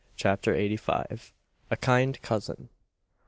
CHAPTER EIGHTY FIVE. A KIND COUSIN.